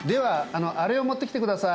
あのあれを持ってきてください。